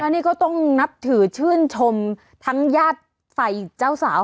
นี่ก็ต้องนับถือชื่นชมทั้งญาติฝ่ายเจ้าสาว